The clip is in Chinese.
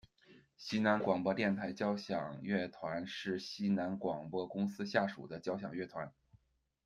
西南广播电台交响乐团是西南广播公司下属的交响乐团。